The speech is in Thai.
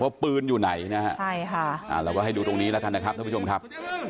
เพราะปืนอยู่ไหนเราก็ให้ดูตรงนี้นะครับทุกผู้ชมครับ